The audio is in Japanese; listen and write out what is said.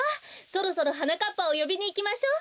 そろそろはなかっぱをよびにいきましょう。